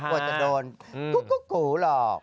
ใช่เค้ากลัวจะโดนกรู๊กลุ่งหรอก